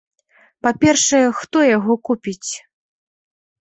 Па-першае, хто яго купіць?